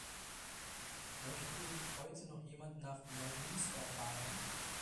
Möchte heute noch jemand nach Neumünster fahren?